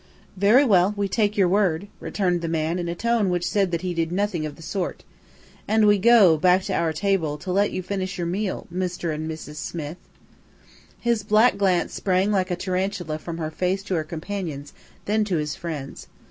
"Very well, we take your word," returned the man, in a tone which said that he did nothing of the sort. "And we go back to our table, to let you finish your meal, Mr. and Mrs. Smith." His black glance sprang like a tarantula from her face to her companion's, then to his friend's.